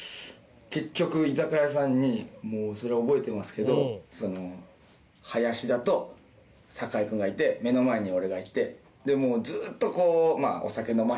結局居酒屋さんにもうそれ覚えてますけど林田と酒井君がいて目の前に俺がいて。と思ってずっと。